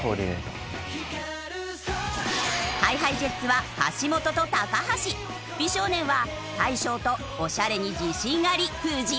ＨｉＨｉＪｅｔｓは橋本と橋美少年は大昇とオシャレに自信あり藤井。